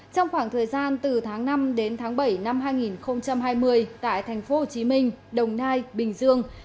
trong khoảng thời gian từ tháng năm đến tháng bảy năm hai nghìn hai mươi tại tp hcm đồng nai bình dương